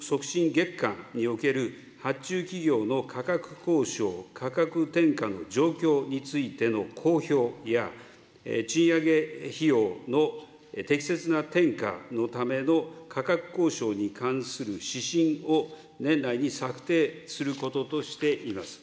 月間における発注企業の価格交渉、価格転嫁の状況についての公表や、賃上げ費用の適切な転嫁のための価格交渉に関する指針を年内に策定することとしています。